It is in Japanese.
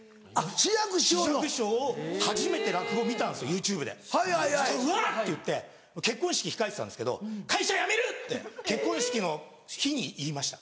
初めて落語見たんですＹｏｕＴｕｂｅで。そしたらわぁ！っていって結婚式控えてたんですけど会社辞める！って結婚式の日に言いました。